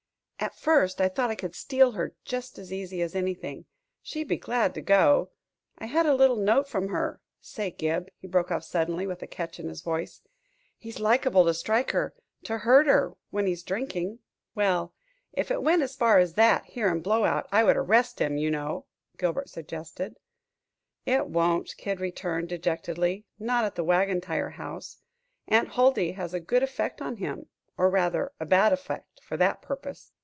"At first I thought I could steal her just as easy as anything. She'd be glad to go; I had a little note from her Say, Gib," he broke off suddenly, with a catch in his voice, "he's liable to strike her to hurt her when he's drinking." "Well, if it went as far as that, here in Blowout, I would arrest him, you know," Gilbert suggested. "It won't," Kid returned, dejectedly; "not at the Wagon Tire House. Aunt Huldy has a good effect on him or rather, bad effect, for that purpose.